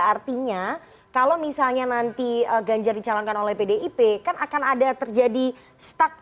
artinya kalau misalnya nanti ganjar dicalonkan oleh pdip kan akan ada terjadi stuck